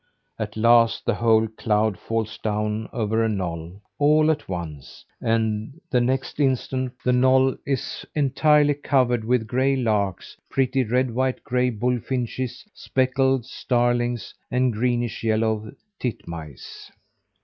At last the whole cloud falls down over a knoll all at once and the next instant the knoll is entirely covered with gray larks, pretty red white gray bulfinches, speckled starlings and greenish yellow titmice.